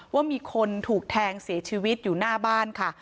ว่ามีคนถูกแทงเสียชีวิตอยู่หน้าบ้านค่ะ